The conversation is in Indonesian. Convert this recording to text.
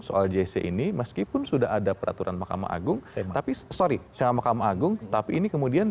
soal jc ini meskipun sudah ada peraturan mahkamah agung tapi sorry sama mahkamah agung tapi ini kemudian